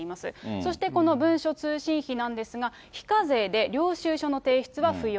そして、この文書通信費なんですが、非課税で領収書の提出は不要。